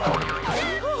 すごい！